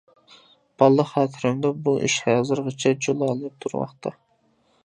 بالىلىق خاتىرەمدە بۇ ئىش ھازىرغىچە جۇلالىنىپ تۇرماقتا.